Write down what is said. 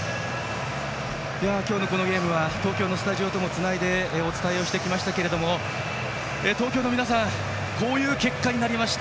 今日のこのゲームは東京のスタジオともつないでお伝えしてきましたけれども東京の皆さんこういう結果になりました。